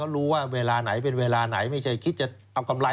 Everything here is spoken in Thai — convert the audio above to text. ก็ถือโอกาสขึ้นราคา